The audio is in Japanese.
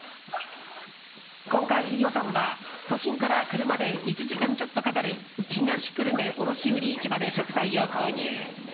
今回、飯尾さんは都心から車で１時間ちょっとかかる東久留米卸売市場で食材を購入。